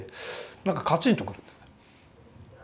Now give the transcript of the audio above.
なんかカチンとくるんです。